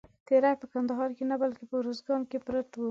تیری په کندهار کې نه بلکې په اوروزګان کې پروت دی.